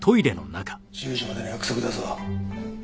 １０時までの約束だぞ。